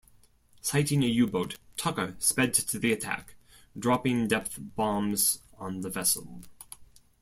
Sighting a U-boat, "Tucker" sped to the attack, dropping depth bombs on the vessel.